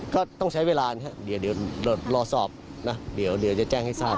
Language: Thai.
ก็ต้องใช้เวลานะครับเดี๋ยวรอสอบนะเดี๋ยวจะแจ้งให้ทราบ